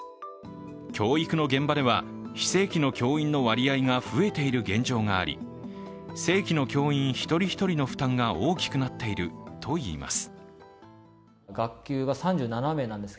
教育の現場では非正規の教員の割合が増えている現状があり、正規の教員一人一人の負担が大きくなっているといいます。